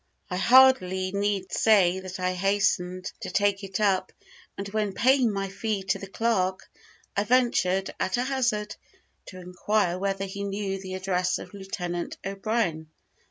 I hardly need say that I hastened to take it up, and when paying my fee to the clerk, I ventured, at a hazard, to inquire whether he knew the address of Lieutenant O'Brien.